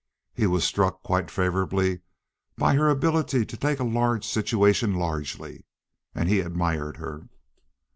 He was struck quite favorably by her ability to take a large situation largely, and he admired her.